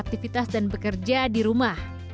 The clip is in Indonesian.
aktivitas dan bekerja di rumah